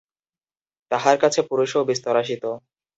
তাঁহার কাছে পুরুষও বিস্তর আসিত।